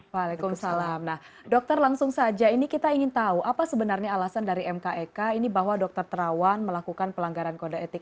waalaikumsalam nah dokter langsung saja ini kita ingin tahu apa sebenarnya alasan dari mkek ini bahwa dokter terawan melakukan pelanggaran kode etik